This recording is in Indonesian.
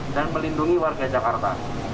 dan melindungi warga jakarta